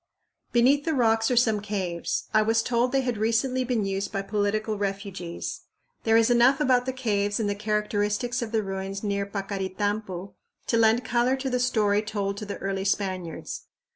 Beneath the rocks are some caves. I was told they had recently been used by political refugees. There is enough about the caves and the characteristics of the ruins near Paccaritampu to lend color to the story told to the early Spaniards.